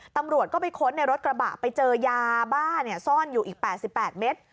ตำรวจก็ไปค้นในรถกระบะไปเจอยาบ้าซ่อนอยู่อีก๘๘เมตร